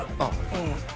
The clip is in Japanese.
うん。